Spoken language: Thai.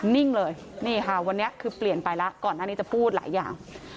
นิ่งเลยนี่ค่ะวันนี้คือเปลี่ยนไปแล้วก่อนหน้านี้จะพูดหลายอย่าง